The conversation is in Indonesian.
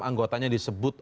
yang enam anggotanya disebut